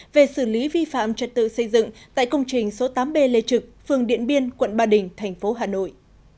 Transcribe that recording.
về xử lý vi phạm trật tự xây dựng tại công trình số tám b lê trực phường điện biên quận ba đình thành phố hà nội